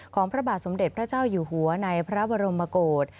พระบาทสมเด็จพระเจ้าอยู่หัวในพระบรมโกศ